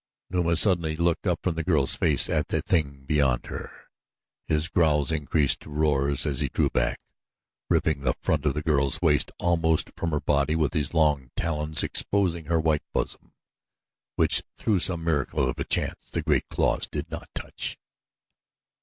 Numa suddenly looked up from the girl's face at the thing beyond her. His growls increased to roars as he drew back, ripping the front of the girl's waist almost from her body with his long talons, exposing her white bosom, which through some miracle of chance the great claws did not touch.